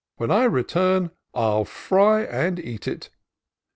When I return I'll fry and eat it.